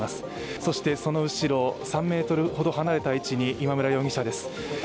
そしてその後ろ３ｍほど離れた位置に今村容疑者です。